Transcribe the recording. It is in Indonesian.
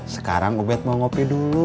sekarang ubed mau ngopi dulu